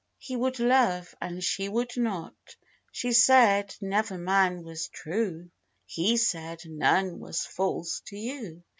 He would love, and she would not: She said, never man was true: He said, none was false to you.